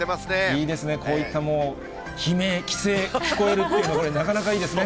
いいですね、こういった悲鳴、奇声、聞こえるというのがね、なかなかいいですね。